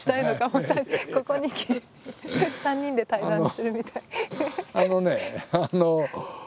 ここに来て３人で対談してるみたい。